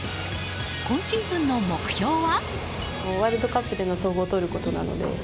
今シーズンの目標は。